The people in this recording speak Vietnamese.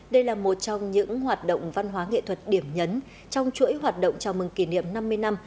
đây là một trong những hoạt động văn hóa nghệ thuật điểm nhấn trong chuỗi hoạt động chào mừng kỷ niệm năm mươi năm